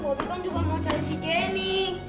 bobby kan juga mau cari si jenny